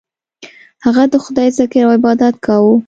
هغه د خدای ذکر او عبادت کاوه.